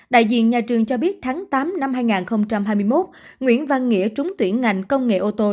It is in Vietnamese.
đại diện nhà trường cho biết tháng tám năm hai nghìn hai mươi một nguyễn văn nghĩa trúng tuyển ngành công nghệ ô tô